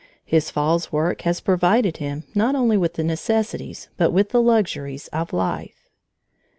His fall's work has provided him not only with the necessities, but with the luxuries of life.